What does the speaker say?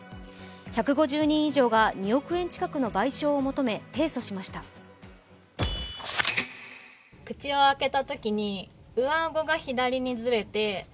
１５０人以上が２億円近くの賠償を求め、提訴しました。